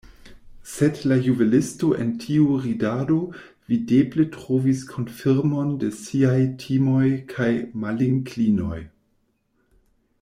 Sed la juvelisto en tiu ridado videble trovis konfirmon de siaj timoj kaj malinklinoj.